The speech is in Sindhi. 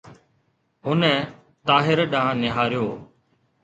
هن طاهر ڏانهن نهاريو.